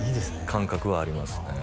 感覚はありますね